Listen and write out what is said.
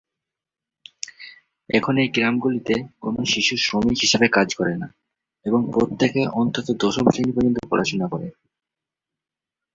এখন এই গ্রামগুলিতে কোনও শিশু শ্রমিক হিসেবে কাজ করে না এবং প্রত্যেকে অন্তত দশম শ্রেণি পর্যন্ত পড়াশোনা করে।